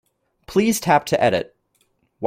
Please tap to edit.